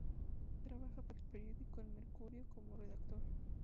Trabaja para el periódico "El Mercurio" como redactor.